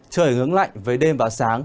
trời hướng lạnh với đêm và sáng